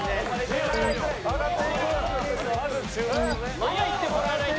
まだいってもらわないと。